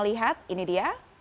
lihat ini dia